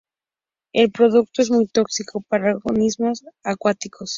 El producto es muy tóxico para organismos acuáticos.